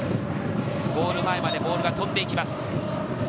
ゴール前までボールが飛んでいきます。